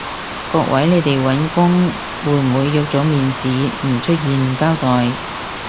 各位，你哋搵工會唔會約咗面試唔出現唔交代？